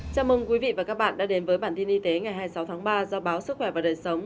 chào mừng quý vị và các bạn đã đến với bản tin y tế ngày hai mươi sáu tháng ba do báo sức khỏe và đời sống